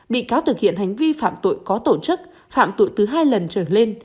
bị cáo thực hiện hành vi phạm tội có tổ chức phạm tội từ hai lần trở lên